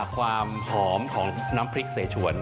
ความหอมของน้ำพริกเสชวน